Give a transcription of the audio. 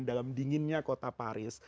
dalam dinginnya kota paris